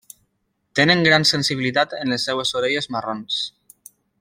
Tenen gran sensibilitat en les seves orelles marrons.